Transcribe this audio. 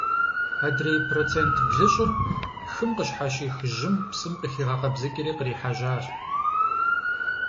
Адрей процент блыщӏыр хым къыщхьэщих жьым псым къыхигъэкъэбзыкӀри, кърихьэжьащ.